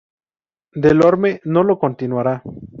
Delorme no lo continuará.